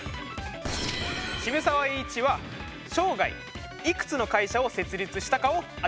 渋沢栄一は生涯いくつの会社を設立したかを当ててもらいます。